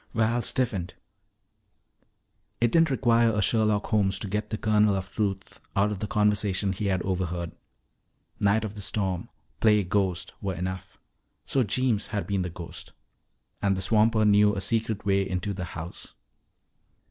Val stiffened. It didn't require a Sherlock Holmes to get the kernel of truth out of the conversation he had overheard. "Night of the storm," "play ghost," were enough. So Jeems had been the ghost. And the swamper knew a secret way into the house!